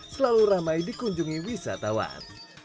selalu ramai dikunjungi wisatawan